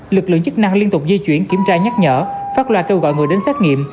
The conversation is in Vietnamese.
lực lượng chức năng liên tục di chuyển kiểm tra nhắc nhở phát loa kêu gọi người đến xét nghiệm